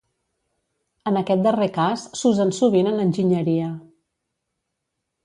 En aquest darrer cas s'usen sovint en enginyeria.